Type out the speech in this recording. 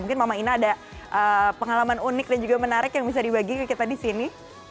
mungkin mama ina ada pengalaman unik dan juga menarik yang bisa dibagi ke kita di sini